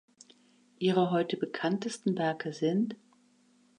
Ihre heute bekanntesten Werke sind